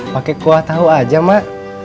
pakai kuah tahu aja mak